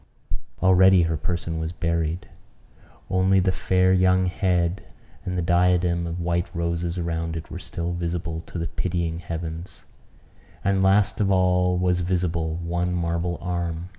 Already her person was buried; only the fair young head and the diadem of white roses around it were still visible to the pitying heavens; and, last of all, was visible one marble arm.